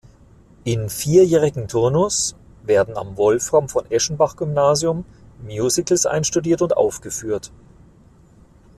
In vierjährigen Turnus werden am Wolfram-von-Eschenbach-Gymnasium Musicals einstudiert und aufgeführt.